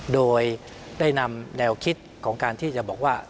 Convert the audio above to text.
โดยได้นำแนวคิดของการที่จะบอกว่า